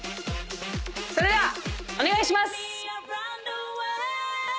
それではお願いします。